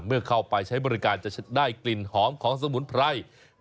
เมื่อเข้าไปใช้บริการจะได้กลิ่นหอมของสมุนไพร